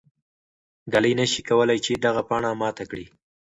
ږلۍ نه شي کولای چې دغه پاڼه ماته کړي.